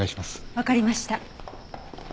わかりました。